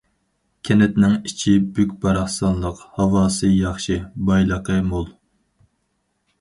كەنتنىڭ ئىچى بۈك-باراقسانلىق، ھاۋاسى ياخشى، بايلىقى مول.